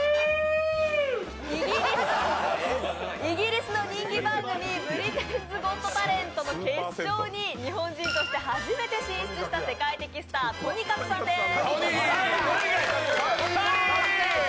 イギリスの人気番組「ブリテンズ・ゴット・タレント」の決勝に日本人として初めて進出した世界的スター、ＴＯＮＩＫＡＫＵさんです。